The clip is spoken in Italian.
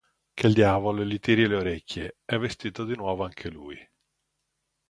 Che il diavolo gli tiri le orecchie, è vestito di nuovo anche lui.